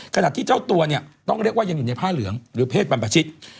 ขณะที่เจ้าตัวเนี่ยต้องเรียกว่ายังอยู่ในผ้าเหลืองหรือเพศบรรพชิต